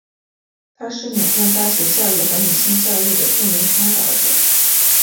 他是缅甸大学教育和女性教育的著名宣导者。